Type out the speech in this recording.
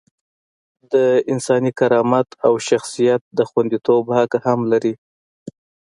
د انساني کرامت او شخصیت د خونديتوب حق هم لري.